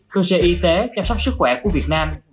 cơ sở y tế chăm sóc sức khỏe của việt nam